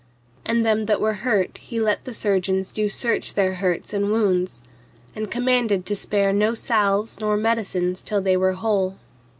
And them that were hurt he let the surgeons do search their hurts and wounds, and commanded to spare no salves nor medicines till they were whole.